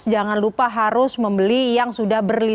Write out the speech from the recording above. jangan lupa harus membeli yang sudah berlibur